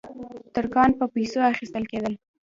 ترکان په پیسو اخیستل کېدل.